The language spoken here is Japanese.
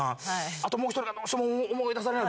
あともう一人がどうしても思い出されへん